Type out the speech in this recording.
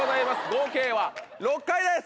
合計は６回です。